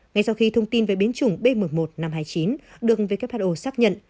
ngay sau khi thông tin về biến chủng b một một năm trăm hai mươi chín được who xác nhận